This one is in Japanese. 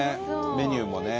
メニューもね。